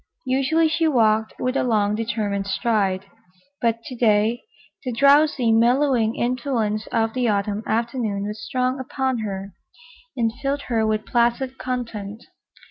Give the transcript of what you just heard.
Usually she walked with a long, determined stride, but to day the drowsy, mellowing influence of the Autumn afternoon was strong upon her and filled her with placid content.